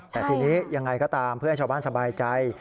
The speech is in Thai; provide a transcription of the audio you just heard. แต่ทีนี้ยังไงก็ตามเพื่อให้ชาวบ้านสบายใจ